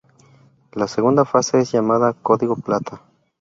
La segunda fase es llamada "Código Plata".